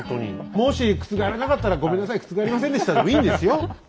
もし覆らなかったら「ごめんなさい覆りませんでした」でもいいんですよ？